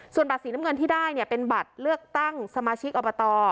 ส่วนบัตรสีน้ำเงินที่ได้เป็นบัตรเลือกตั้งสมาชิกอบต